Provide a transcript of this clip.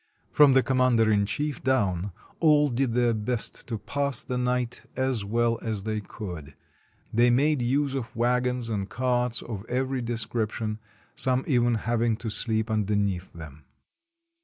From the commander in chief down, all did their best to pass the night as well as they could; they made use of wagons and carts of every description, some even having to sleep underneath them.